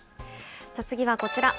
次はこちら。